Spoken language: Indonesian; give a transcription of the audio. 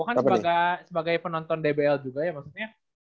kan sebagai penonton dbl juga ya maksudnya